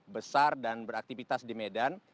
besar dan beraktivitas di medan